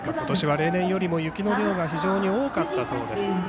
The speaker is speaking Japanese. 今年は例年より雪の量が非常に多かったそうです。